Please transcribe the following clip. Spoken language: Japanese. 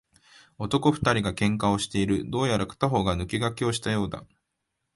男二人が喧嘩をしている。どうやら片方が抜け駆けをしたようだ。